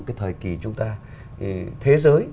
cái thời kỳ chúng ta thế giới